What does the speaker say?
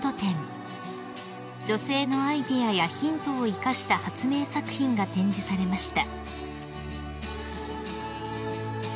［女性のアイデアやヒントを生かした発明作品が展示されました］